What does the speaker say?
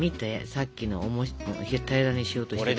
さっきの平らにしようとしたやつ。